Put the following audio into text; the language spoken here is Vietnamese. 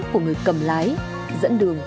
của người cầm lái dẫn đường